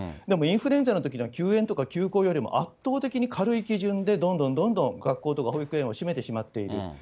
でもインフルエンザのときは休園とか休校とかより圧倒的に軽い基準で、どんどんどんどん学校とか保育園を閉めてしまっている。